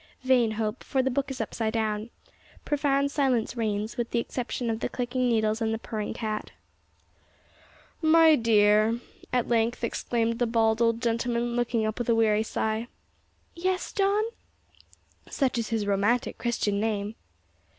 Vain hope, for the book is upside down. Profound silence reigns, with the exception of the clicking needles and the purring cat. "My dear," at length exclaimed the bald old gentleman, looking up with a weary sigh. "Yes, John?" (Such is his romantic Christian name!)